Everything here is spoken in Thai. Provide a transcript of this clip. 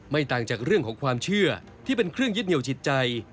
ต่างจากเรื่องของความเชื่อที่เป็นเครื่องยึดเหนียวจิตใจ